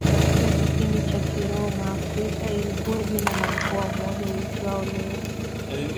katika kipindi cha Kiroma Afrika ilikuwa jina la mkoa mmoja uitwao leo